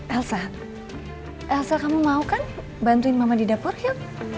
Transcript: elsa elsa kamu mau kan bantuin mama di dapur ya